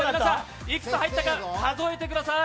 いくつ入ったか数えてください。